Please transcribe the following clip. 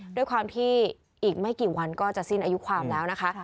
ด้วยความที่อีกไม่กี่วันก็จะสิ้นอายุความแล้วนะคะ